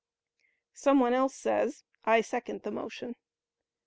Some one else says, "I second the motion."